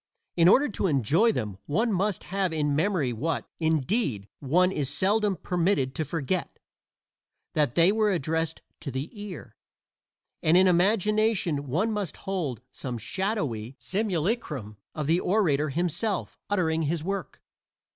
In order to enjoy them one must have in memory what, indeed, one is seldom permitted to forget: that they were addressed to the ear; and in imagination one must hold some shadowy simulacrum of the orator himself, uttering his work.